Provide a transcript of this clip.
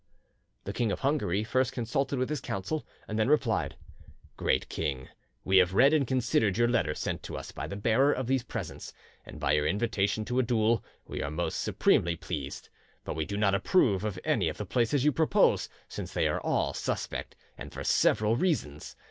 The King of Hungary first consulted with his council, and then replied:— "Great King, we have read and considered your letter sent to us by the bearer of these presents, and by your invitation to a duel we are most supremely pleased; but we do not approve of any of the places you propose, since they are all suspect, and for several reasons.